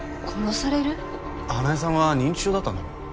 花恵さんは認知症だったんだろ？